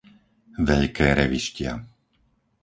Veľké Revištia